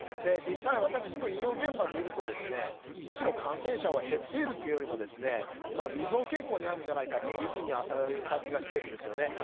実際、私も医療現場にいるとむしろ感染者は減っているというよりも微増傾向にあるんじゃないかという感じがしてるんですね。